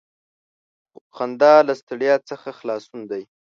• خندا له ستړیا څخه خلاصون دی.